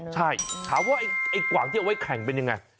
ใช่ถามว่าไอ้กว่างที่เอาไว้แข่งเป็นยังไง